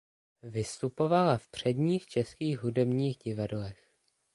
Vystupovala v předních českých hudebních divadlech.